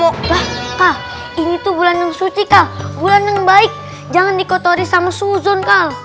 actually mah cp tuh bulannya music kian ingin baik jangan dikotori sama suzon kan